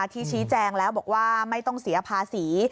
ชี้แจงแล้วบอกว่าไม่ต้องเสียภาษี